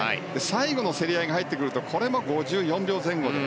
最後の競り合いが入ってくるとこれも５４秒前後で。